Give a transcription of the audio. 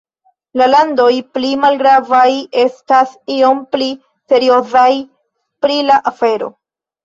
La landoj pli malgravaj estas iom pli seriozaj pri la afero.